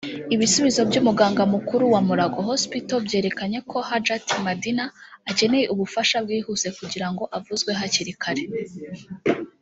Ibisubizo by’ umuganga mukuru wa Mulago Hospital byerekanye ko Hajjat Madinah akeneye ubufasha bwihuse kugirango avuzwe hakiri kare